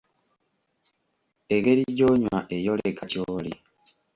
Engeri gy'onywa eyoleka ky'oli.